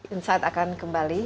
insight akan kembali